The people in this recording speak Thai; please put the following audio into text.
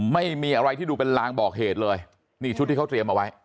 ไม่มีอะไรที่ดูเป็นลางบอกเหตุเลยนี่ชุดที่เขาเตรียมเอาไว้